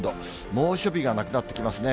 猛暑日がなくなってきますね。